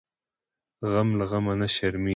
غم له غمه نه شرمیږي .